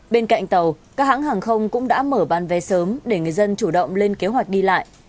bên cạnh tàu các hãng hàng không cũng đã mở bán vé sớm để người dân chủ động lên kế hoạch đi lại